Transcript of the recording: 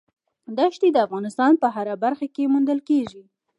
دښتې د افغانستان په هره برخه کې موندل کېږي.